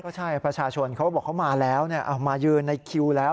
ใช่ประชาชนเขาบอกเขามาแล้วมายืนในคิวแล้ว